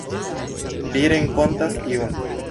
Vi renkontas iun.